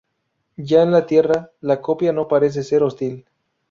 Ya en la Tierra, la copia no parece ser hostil.